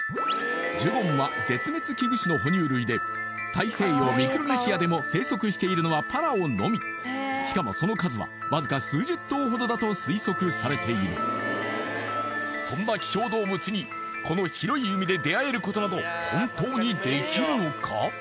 太平洋ミクロネシアでも生息しているのはパラオのみしかもその数はわずか数十頭ほどだと推測されているそんな希少動物にこの広い海で出会えることなど本当にできるのか？